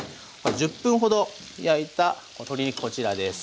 １０分ほど焼いた鶏肉こちらです。